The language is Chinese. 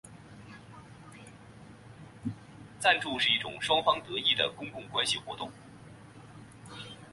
赞助是一种双方得益的公共关系活动。